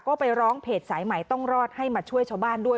ก็ไปร้องเพจสายใหม่ต้องรอดให้มาช่วยชาวบ้านด้วย